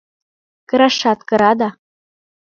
Кырашат кыра да...